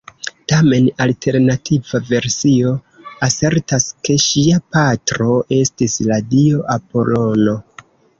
Tamen, alternativa versio asertas ke ŝia patro estis la dio Apolono.